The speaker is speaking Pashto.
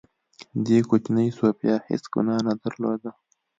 دې کوچنۍ سوفیا هېڅ ګناه نه درلوده